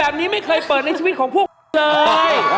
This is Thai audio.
อาสจะฟังเสียงหัวใจของชีวิตของพวกเอ๋ย